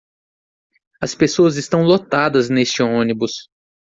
As pessoas estão lotadas neste ônibus.